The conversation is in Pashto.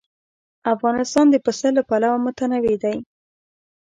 افغانستان د پسه له پلوه متنوع دی.